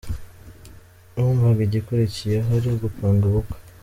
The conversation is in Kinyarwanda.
numvaga igikurikiyeho ari ugupanga ubukwe !